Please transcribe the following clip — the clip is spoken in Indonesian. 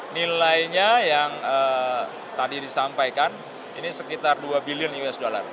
nilainya yang tadi disampaikan ini sekitar dua bilion usd